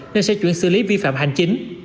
nên sẽ chuyển xử lý vi phạm hành chính